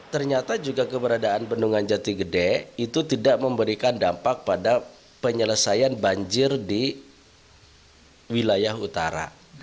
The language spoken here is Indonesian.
ternyata juga keberadaan bendungan jati gede itu tidak memberikan dampak pada penyelesaian banjir di wilayah utara